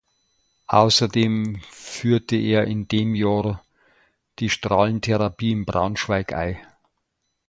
Außerdem führte er in dem Jahr die Strahlentherapie in Braunschweig ein.